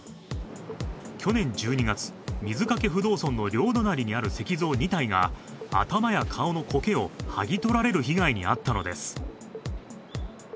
去年１２月、水掛不動尊の両隣にある石像２体が頭や顔のこけを剥ぎ取られる被害に遭ったのです。